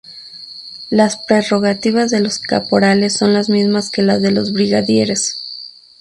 Las prerrogativas de los caporales son las mismas que las de los brigadieres.